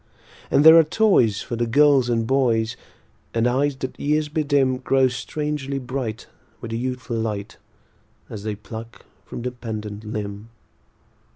And there are toys for the girls and boys; And eyes that years bedim Grow strangely bright, with a youthful light, As they pluck from the pendant limb.